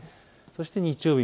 そして日曜日